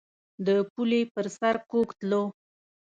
د پولې پر سر کوږ تلو.